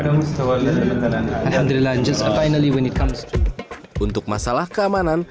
alhamdulillah akhirnya ketika terjadi masalah keamanan